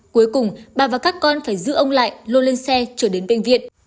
cuối cùng bà và các con phải giữ ông lại lô lên xe trở đến bệnh viện